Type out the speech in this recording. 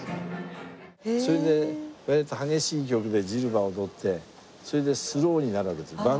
それで割と激しい曲でジルバを踊ってそれでスローになるわけですよ。